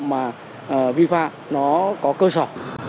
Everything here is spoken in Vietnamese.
mà vi phạm nó có cơ sở